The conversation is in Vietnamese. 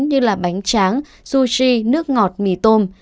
như là bánh tráng sushi nước ngọt mì tôm